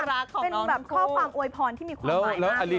เป็นแบบข้อความอวยพรที่มีความหมายมาก